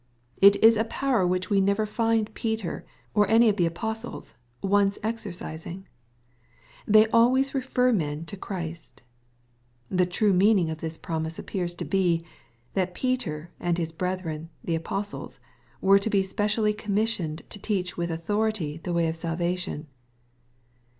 It is a power which we never find Peter, or any of the apos tles, once exercising. They always refer men to Christ. The true meaning of this promise appears to be, that i^eter and his brethren, the apostles, were to be specially commissioned to teach with authority the way of salva tion.